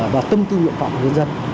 và tâm tư nguyện phỏng của dân dân